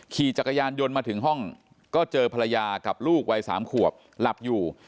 ขี่จักรยานยนต์มาถึงห้องก็เจอภรรยากับลูกวัย๓ขวบหลับอยู่